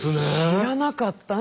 知らなかった。